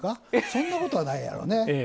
そんなことはないやろね。